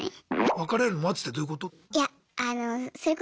別れるの待つってどういうこと？